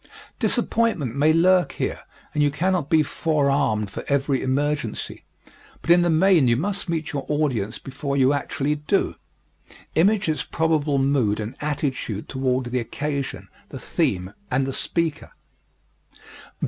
_ Disappointment may lurk here, and you cannot be forearmed for every emergency, but in the main you must meet your audience before you actually do image its probable mood and attitude toward the occasion, the theme, and the speaker.